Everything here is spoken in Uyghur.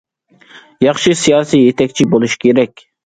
ياخشى سىياسىي يېتەكچى بولۇش كېرەك.